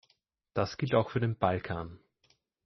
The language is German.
Das gilt auch für den Balkan.